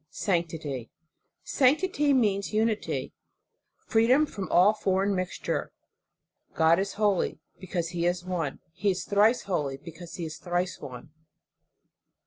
Sanctity. Sanctity means unity, freedom from all foreign mixture. God is holy, because He is one. He is thrice holy, because he is thrice one.